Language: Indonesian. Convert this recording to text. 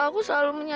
wah cuaca keren banget